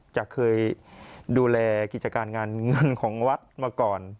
จะเคยดูแลกิจการงานเงินของวัดมาก่อน